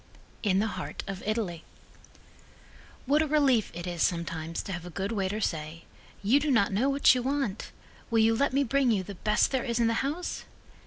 In the Heart of Italy What a relief it is sometimes to have a good waiter say: "You do not know what you want? Will you let me bring you the best there is in the house?"